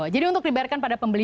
jadi untuk dibayarkan kepada pembeli